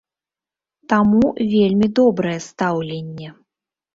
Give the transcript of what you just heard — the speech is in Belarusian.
Таму вельмі добрае стаўленне.